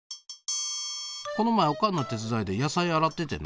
この前オカンの手伝いで野菜洗っててな